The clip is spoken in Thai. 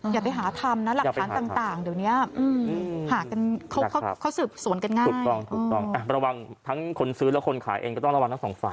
อย่าไปหาทำนะหลักฐานต่างเดี๋ยวนี้